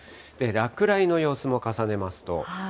落雷の様子も重ねますと。